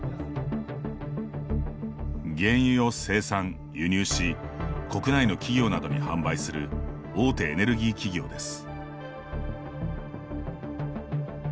原油を生産・輸入し国内の企業などに販売する大手エネルギー企業です。